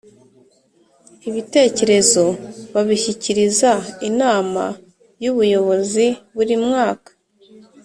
Ibitecyerezo babishyikiriza Inama y ‘Ubuyobozi Buri mwaka .